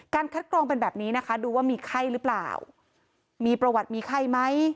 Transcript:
คัดกรองเป็นแบบนี้นะคะดูว่ามีไข้หรือเปล่ามีประวัติมีไข้ไหม